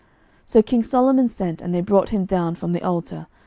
11:001:053 So king Solomon sent, and they brought him down from the altar.